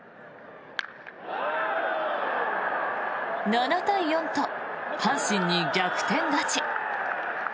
７対４と阪神に逆転勝ち。